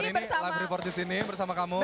oh ini live report disini bersama kamu